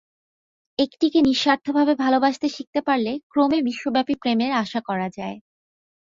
একটিকে নিঃস্বার্থভাবে ভালবাসতে শিখতে পারলে ক্রমে বিশ্বব্যাপী প্রেমের আশা করা যায়।